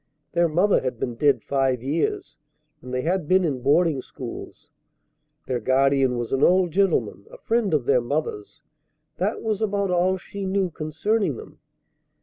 Their mother had been dead five years, and they had been in boarding schools. Their guardian was an old gentleman, a friend of their mother's. That was about all she knew concerning them.